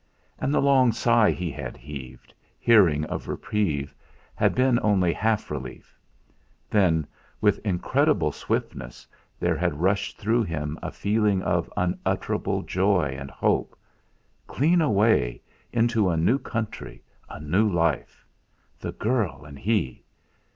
And the long sigh he had heaved, hearing of reprieve, had been only half relief. Then, with incredible swiftness there had rushed through him a feeling of unutterable joy and hope. Clean away into a new country, a new life! The girl and he!